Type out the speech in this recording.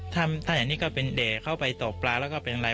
ถ้าอย่างนี้ก็เป็นแด่เข้าไปตกปลาแล้วก็เป็นอะไร